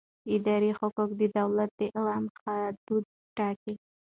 اداري حقوق د دولت د عمل حدود ټاکي.